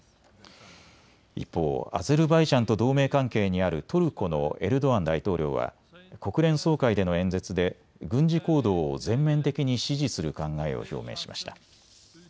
一方、アゼルバイジャンと同盟関係にあるトルコのエルドアン大統領は国連総会での演説で軍事行動を全面的に支持する考えを表明しました。